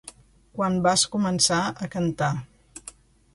quan vas començar a cantar